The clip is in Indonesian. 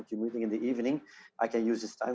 saya bisa menggunakan waktu ini untuk berlatih